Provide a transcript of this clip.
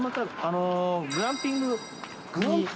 グランピング？